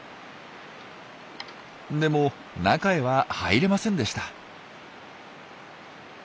でも中へは入れませんでした。